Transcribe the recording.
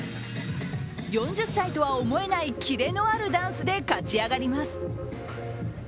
４０歳とは思えないキレのあるダンスで勝ち上がります。